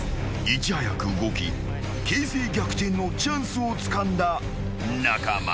［いち早く動き形勢逆転のチャンスをつかんだ中間］